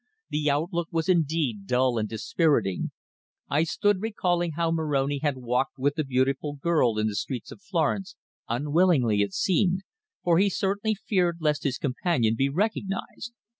The outlook was indeed dull and dispiriting, I stood recalling how Moroni had walked with the beautiful girl in the streets of Florence, unwillingly it seemed, for he certainly feared lest his companion be recognized.